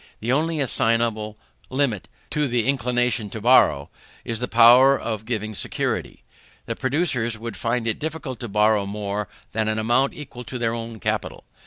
The only assignable limit to the inclination to borrow, is the power of giving security: the producers would find it difficult to borrow more than an amount equal to their own capital.